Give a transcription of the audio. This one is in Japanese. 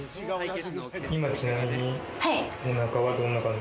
今ちなみにおなかはどんな感じ？